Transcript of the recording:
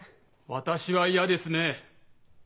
私は嫌ですねえ！